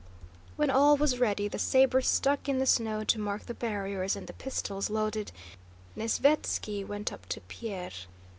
When all was ready, the sabers stuck in the snow to mark the barriers, and the pistols loaded, Nesvítski went up to Pierre.